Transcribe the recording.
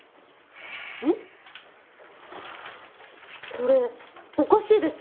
これおかしいです。